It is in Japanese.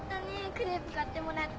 クレープ買ってもらって。